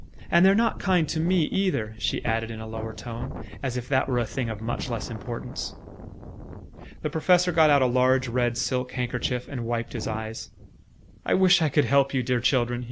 And they're not kind to me either," she added in a lower tone, as if that were a thing of much less importance. The Professor got out a large red silk handkerchief, and wiped his eyes. "I wish I could help you, dear children!"